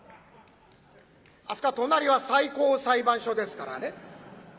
あそこは隣は最高裁判所ですからね。